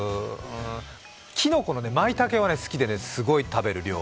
きのこのまいたけは好きでね、すごい量食べる。